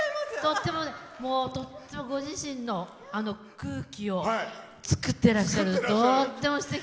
とってもご自身の空気を作ってらっしゃる。